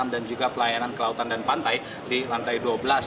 dan juga pelayanan kelautan dan pantai di lantai dua belas